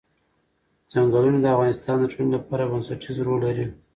چنګلونه د افغانستان د ټولنې لپاره بنسټيز رول لري.